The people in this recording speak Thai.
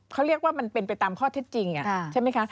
เขาเรียกว่ามันเป็นไปตามข้อเท็จจริงใช่ไหมคะ